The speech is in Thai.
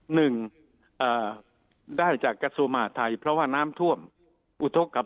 หนึ่งได้จากกระทรวงมหาทัยเพราะว่าน้ำท่วมอุทธกกับ